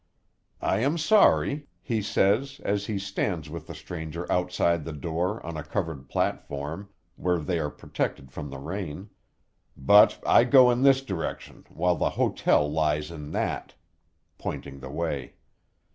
"I am sorry," he says, as he stands with the stranger outside the door, on a covered platform, where they are protected from the rain, "but I go in this direction, while the hotel lies in that," pointing the way.